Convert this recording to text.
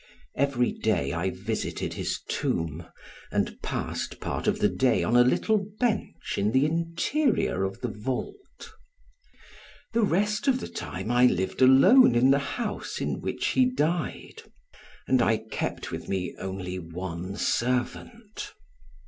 Every day I visited his tomb and passed part of the day on a little bench in the interior of the vault. The rest of the time I lived alone in the house in which he died and I kept with me only one servant.